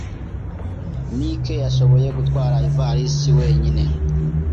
Mike yashoboye gutwara ivalisi wenyine.